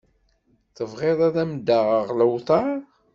Tebɣiḍ ad m-d-aɣeɣ lewṭer